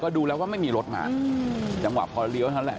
ก็ดูแล้วว่าไม่มีรถมาอืมจังหวะพอเรียวนั้นแหละ